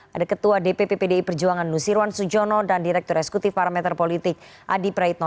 ada ketua dpp pdi perjuangan nusirwan sujono dan direktur eksekutif parameter politik adi praitno